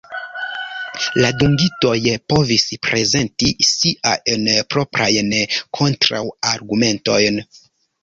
La dungitoj povis prezenti siajn proprajn kontraŭargumentojn.